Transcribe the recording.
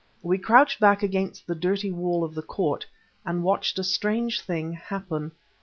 We crouched back against the dirty wall of the court, and watched a strange thing happen.